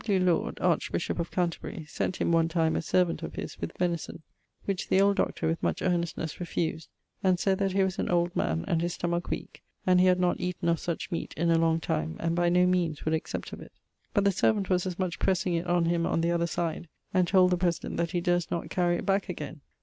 W. Laud, archbishop of Canterbury, sent him one time a servant of his with venison, which the old Dr. with much earnestnes refused, and sayd that he was an old man, and his stomach weake, and he had not eaten of such meate in a long time, and by no meanes would accept of it; but the servant was as much pressing it on him on the other side, and told the President that he durst not carry it back againe.